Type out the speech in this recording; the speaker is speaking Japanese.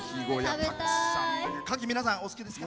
かき、皆さんお好きですか？